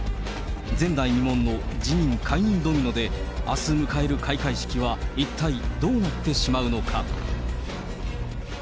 前代未聞の辞任・解任ドミノで、あす迎える開会式は、一体どうなってしまうのか。